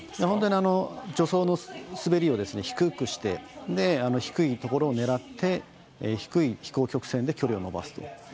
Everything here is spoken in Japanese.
本当に助走の滑りを低くして低いところを狙って低い飛行曲線で距離を伸ばすと。